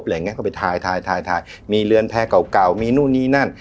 อะไรอย่างเงี้ยก็ไปทายทายทายทายมีเรือนแพร่เก่าเก่ามีนู่นนี่นั่น